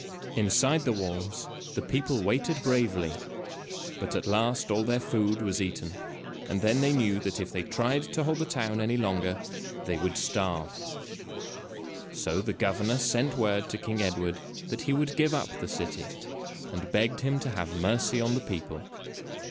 Inside the walls, the people waited bravely, but at last all their food was eaten, and then they knew that if they tried to hold the town any longer they would starve. So the governor sent word to King Edward that he would give up the city, and begged him to have mercy on the people.